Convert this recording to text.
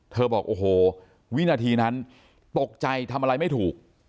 บอกโอ้โหวินาทีนั้นตกใจทำอะไรไม่ถูก